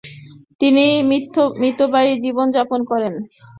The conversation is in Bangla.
তিনি মিতব্যয়ী জীবন যাপন করতেন।